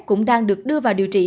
cũng đang được đưa vào điều trị